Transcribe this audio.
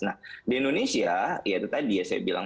nah di indonesia ya itu tadi ya saya bilang